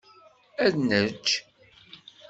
Ad nečč?